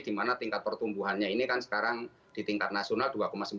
di mana tingkat pertumbuhannya ini kan sekarang di tingkat nasional dua sembilan puluh